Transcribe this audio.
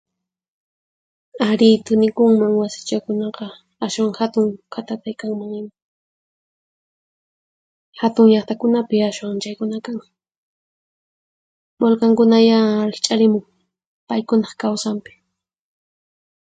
Arí thunikunman wasichakunaqa ashwan hatun khatatay kanman hina. Hatun llaqtakunapi ashwan chaykuna kan, wulkankunayá rikch'arimun, paykunaq kawsanpi.